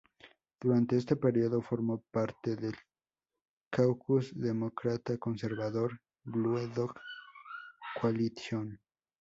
Durante ese periodo formó parte del caucus demócrata conservador Blue Dog Coalition.